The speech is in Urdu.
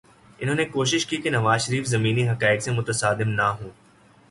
انہوں نے کوشش کی کہ نواز شریف زمینی حقائق سے متصادم نہ ہوں۔